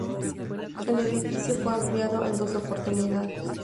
El edificio fue ampliado en dos oportunidades.